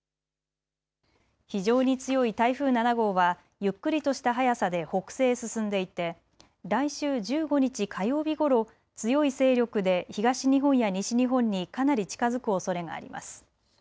非常に強い台風７号はゆっくりとした速さで北西へ進んでいて来週１５日、火曜日ごろ強い勢力で東日本や西日本にかなり近づくおそれがあります。